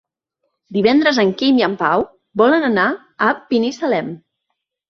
Divendres en Quim i en Pau volen anar a Binissalem.